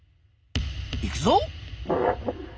いくぞ！